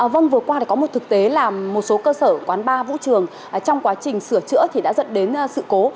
vâng vừa qua thì có một thực tế là một số cơ sở quán bar vũ trường trong quá trình sửa chữa thì đã dẫn đến sự cố